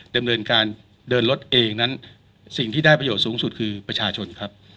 ดำเนินการเดินรถเองนั้นสิ่งที่ได้ประโยชน์สูงสุดคือประชาชนครับ